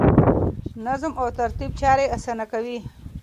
نظم او ترتیب چارې اسانه کوي.